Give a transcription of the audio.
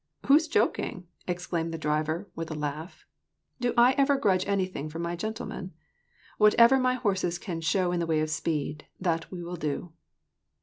" Who's joking? " exclaimed the driver, with a laugh. "Do I ever grudge anything for my ' gentlemen '? Whatever my horses can show in the way of speed, that we will do."